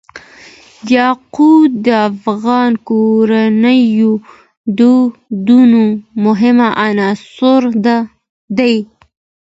یاقوت د افغان کورنیو د دودونو مهم عنصر دی.